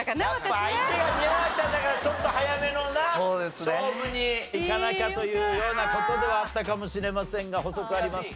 やっぱ相手が宮崎さんだからちょっと早めのな勝負にいかなきゃというような事ではあったかもしれませんが補足ありますか？